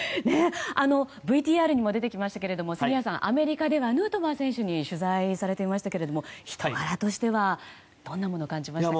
ＶＴＲにも出てきましたが杉谷さんはアメリカではヌートバー選手に取材されていましたが人柄としてはどんなものを感じましたか？